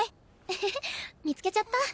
えへへ見つけちゃった。